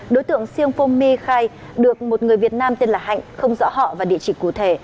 đối tượng siêng phong mi khai được một người việt nam tên là hạnh không rõ họ và địa chỉ cụ thể